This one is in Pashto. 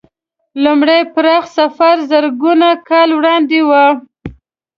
لومړی پراخ سفر زرګونه کاله وړاندې و.